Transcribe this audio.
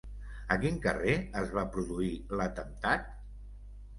A quin carrer es va produir l'atemptat?